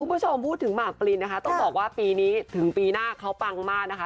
คุณผู้ชมพูดถึงหมากปรินนะคะต้องบอกว่าปีนี้ถึงปีหน้าเขาปังมากนะคะ